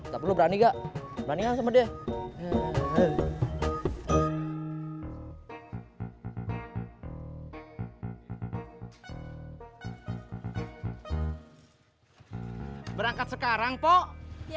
berani gak berani sama dia berangkat sekarang pok ya sekarang masa besok maaf atuh kalau saya udah nanya